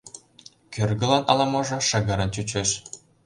Кӧргылан ала-можо шыгырын чучеш.